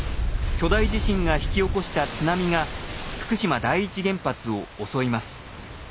巨大地震が引き起こした津波が福島第一原発を襲います。